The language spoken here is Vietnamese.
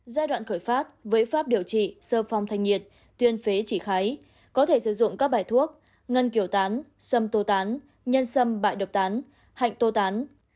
giai đoạn khởi phát với pháp điều trị sơ phong thanh nhiệt tuyên phế chỉ khái có thể sử dụng các bài thuốc ngân kiểu tán xâm tô tán nhân xâm bại độc tán hạnh tô tán